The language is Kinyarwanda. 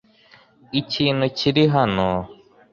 Ikintu kiri hano